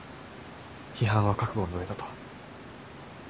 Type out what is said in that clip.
批判は覚悟の上だと。